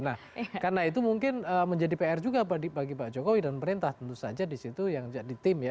nah karena itu mungkin menjadi pr juga bagi pak jokowi dan perintah tentu saja disitu yang jadi tim ya